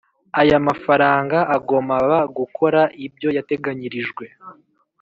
aya mafaranga agomaba gukora ibyo yateganyirijwe